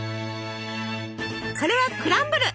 これはクランブル。